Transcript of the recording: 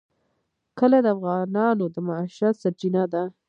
کلي د افغانانو د معیشت سرچینه ده.